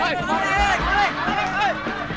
waduh maling hei